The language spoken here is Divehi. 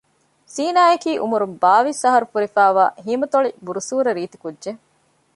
ޒީނާއަކީ އުމުރުން ބާވީސް އަހަރު ފުރިފައިވާ ހިމަތޮޅި ބުރުސޫރަ ރީތި ކުއްޖެއް